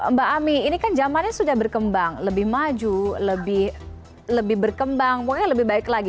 mbak ami ini kan zamannya sudah berkembang lebih maju lebih berkembang mungkin lebih baik lagi